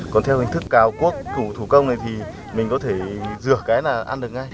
còn theo hình thức cào cuốc cửu thủ công này thì mình có thể rửa cái là ăn được ngay